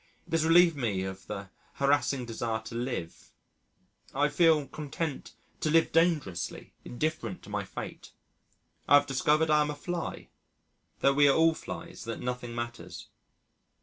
It has relieved me of the harassing desire to live, I feel content to live dangerously, indifferent to my fate; I have discovered I am a fly, that we are all flies, that nothing matters.